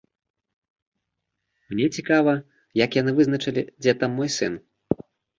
Мне цікава, як яны вызначылі, дзе там мой сын.